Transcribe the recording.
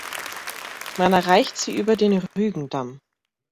Man erreicht sie über den Rügendamm.